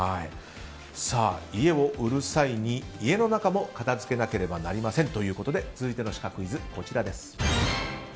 家を売る際に家の中も片づけなければなりませんということで続いてのシカクイズ、こちらです。